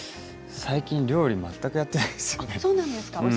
最近、料理全くやってないんです。